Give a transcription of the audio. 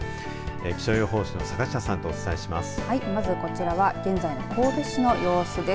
気象予報士の坂下さんとお伝えします。